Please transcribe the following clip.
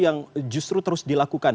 yang justru terus dilakukan